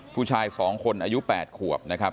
ผู้ชาย๒คนอายุ๘ขวบนะครับ